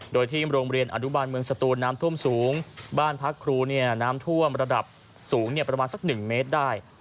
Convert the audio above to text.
โดยที่โรงเรียนอนุบาลเมืองสตูนน้ำท่วมสูงบ้านพักครูเนี่ยน้ำท่วมระดับสูงประมาณสัก๑เมตรได้